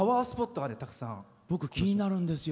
僕、気になるんですよ。